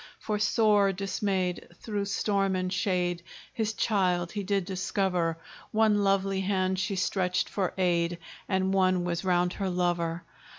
For sore dismayed, through storm and shade, His child he did discover: One lovely hand she stretched for aid, And one was round her lover.